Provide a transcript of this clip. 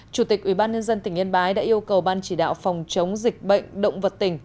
chủ tịch ubnd tỉnh yên bái đã yêu cầu ban chỉ đạo phòng chống dịch bệnh động vật tỉnh